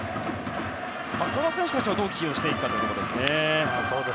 この選手たちをどう起用していくかですね。